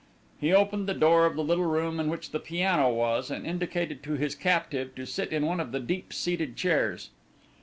He opened the door of the little room in which the piano was, and indicated to his captive to sit in one of the deep seated chairs.